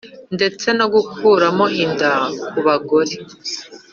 ndetse no gukuramo inda ku bagore